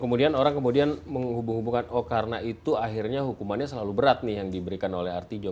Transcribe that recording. kemudian orang menghubungkan oh karena itu akhirnya hukumannya selalu berat yang diberikan oleh artijo